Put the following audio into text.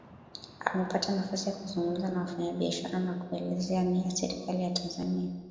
Amepata nafasi ya kuzungumza na wafanyabiashara na kuelezea nia ya Serikali ya Tanzania